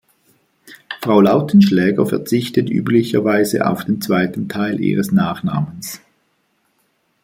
Frau Lautenschläger verzichtet üblicherweise auf den zweiten Teil ihres Nachnamens.